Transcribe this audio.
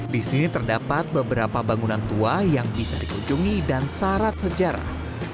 di sini terdapat beberapa bangunan tua yang bisa dikunjungi dan syarat sejarah